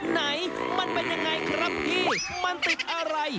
ไหนมันเป็นยังไงครับพี่มันติดอะไร